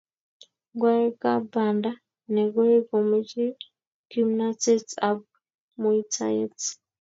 Ngwaekab banda negooi komochei kimnateet ak muitaet